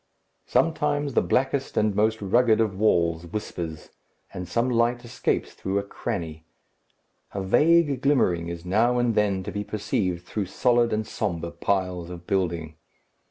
Sometimes the blackest and most rugged of walls whispers, and some light escapes through a cranny. A vague glimmering is now and then to be perceived through solid and sombre piles of building.